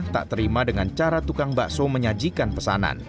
tak terima dengan cara tukang bakso menyajikan pesanan